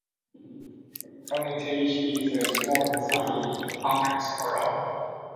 Hermitage is a small example of urban sprawl.